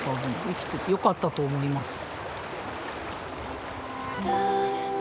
生きててよかったと思います。